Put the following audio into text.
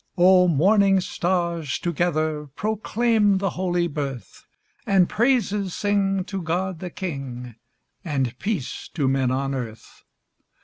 O morning stars, together Proclaim the holy birth! And praises sing to God the King, And peace to men on earth.